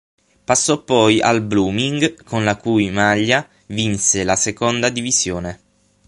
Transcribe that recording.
Passò poi al Blooming, con la cui maglia vinse la seconda divisione.